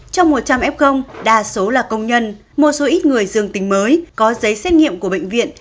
trong một trăm linh f đa số là công nhân một số ít người dương tính mới có giấy xét nghiệm của bệnh viện